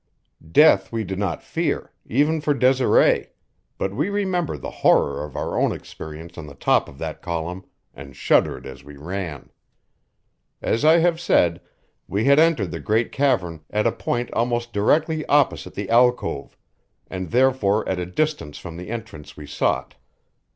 Death we did not fear, even for Desiree; but we remembered the horror of our own experience on the top of that column, and shuddered as we ran. As I have said, we had entered the great cavern at a point almost directly opposite the alcove, and therefore at a distance from the entrance we sought.